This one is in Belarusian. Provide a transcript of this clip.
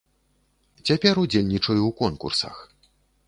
Цяпер удзельнічаю ў конкурсах.